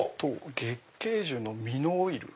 月桂樹の実のオイル。